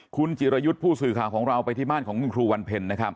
คุณจิรยุทธ์ผู้สื่อข่าวของเราไปที่บ้านของคุณครูวันเพ็ญนะครับ